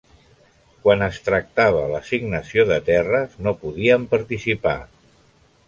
Quan es tractava l'assignació de terres, no podien participar.